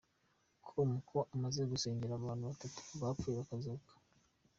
com ko amaze gusengera abantu batatu bapfuye bakazuka.